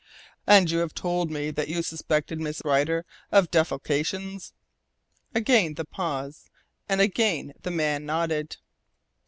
"And you have told me that you suspected Miss Rider of defalcations?" Again the pause and again the man nodded.